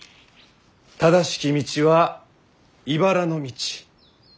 正しき道はいばらの道。